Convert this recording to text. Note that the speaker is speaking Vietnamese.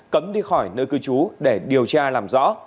cấm đi khỏi nơi cư trú để điều tra làm rõ